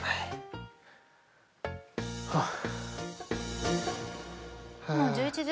はあ。